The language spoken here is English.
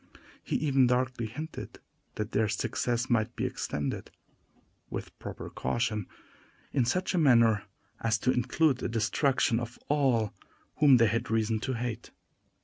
He even darkly hinted that their success might be extended, with proper caution, in such a manner as to include the destruction of all whom they had reason to hate.